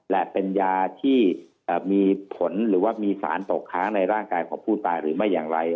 และเป็นยาที่มีผลหรือว่ามีสารตกค้างในร่างกายของผู้ตายหรือไม่อย่างไร